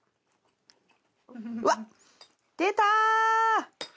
うわっ出た！